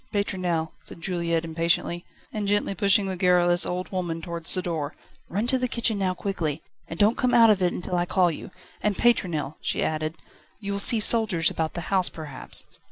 Pétronelle!" said Juliette impatiently, and gently pushing the garrulous old woman towards the door. "Run to the kitchen now quickly, and don't come out of it until I call you. And, Pétronelle," she added, "you will see soldiers about the house perhaps."